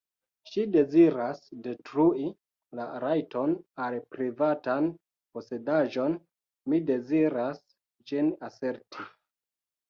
Ŝi deziras detrui la rajton al privatan posedaĵon, mi deziras ĝin aserti.